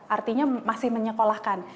artinya masih menyekolahkan